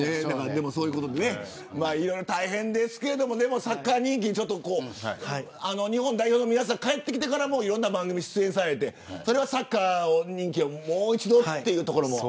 いろいろ大変ですがサッカー人気日本代表の皆さん帰ってきてからもいろんな番組に出演されてサッカー人気をもう一度というところ。